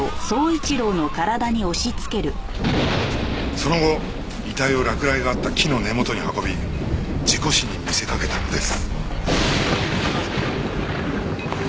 その後遺体を落雷があった木の根元に運び事故死に見せかけたのです。